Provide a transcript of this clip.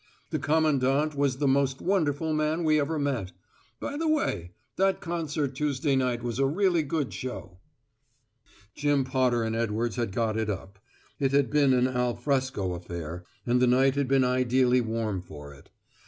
The Commandant was the most wonderful man we ever met. By the way, that concert Tuesday night was a really good show." Jim Potter and Edwards had got it up; it had been an al fresco affair, and the night had been ideally warm for it.